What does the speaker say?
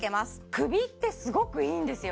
首ってすごくいいんですよ